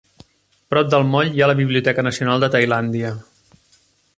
Prop del Moll hi ha la Biblioteca Nacional de Tailàndia.